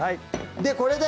これで？